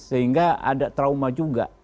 sehingga ada trauma juga